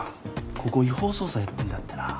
ここ違法捜査やってんだってな。